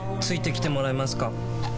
付いてきてもらえますか？